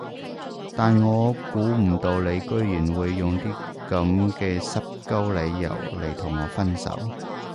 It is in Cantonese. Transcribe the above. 但我估唔到你居然會用啲噉嘅濕鳩理由嚟同我分手